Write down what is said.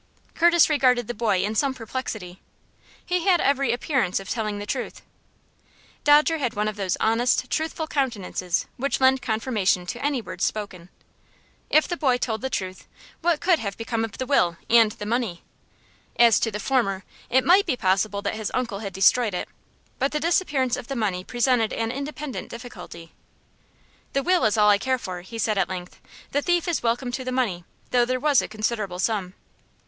Curtis regarded the boy in some perplexity. He had every appearance of telling the truth. Dodger had one of those honest, truthful countenances which lend confirmation to any words spoken. If the boy told the truth, what could have become of the will and the money? As to the former, it might be possible that his uncle had destroyed it, but the disappearance of the money presented an independent difficulty. "The will is all I care for," he said, at length. "The thief is welcome to the money, though there was a considerable sum."